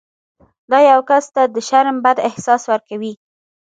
دا یو کس ته د شرم بد احساس ورکوي.